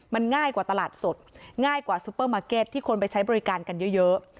มันง่ายกว่าตลาดสดง่ายกว่าซุปเปอร์มาร์เก็ตที่คนไปใช้บริการกันเยอะ